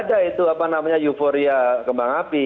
ada itu apa namanya euforia kembang api